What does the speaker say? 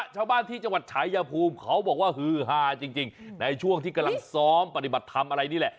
ชาวบ้านที่จังหวัดชายภูมิเขาบอกว่าฮือฮาจริงในช่วงที่กำลังซ้อมปฏิบัติทำอะไรนี่แหละ